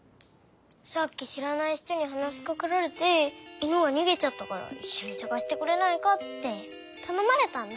さっきしらない人にはなしかけられて「いぬがにげちゃったからいっしょにさがしてくれないか」ってたのまれたんだ。